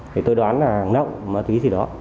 thì tôi đoán là lộng mà thứ gì đó